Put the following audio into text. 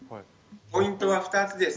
ポイントは２つです。